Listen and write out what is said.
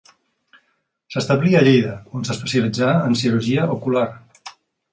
S'establí a Lleida, on s’especialitzà en cirurgia ocular.